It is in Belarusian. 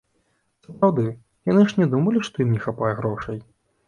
Сапраўды, яны ж не думалі, што ім не хапае грошай?